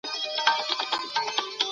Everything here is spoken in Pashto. علم د خلګو د پوهې غزونه تعهد کوي.